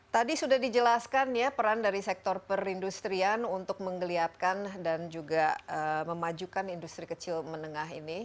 tadi sudah dijelaskan ya peran dari sektor perindustrian untuk menggeliatkan dan juga memajukan industri kecil menengah ini